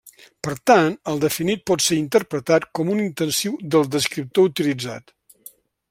Per tant, el definit pot ser interpretat com un intensiu del descriptor utilitzat.